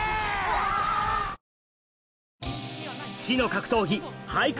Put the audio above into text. わぁ知の格闘技俳句